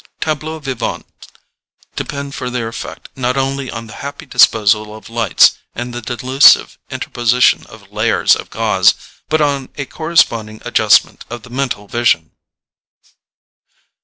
TABLEAUX VIVANTS depend for their effect not only on the happy disposal of lights and the delusive interposition of layers of gauze, but on a corresponding adjustment of the mental vision.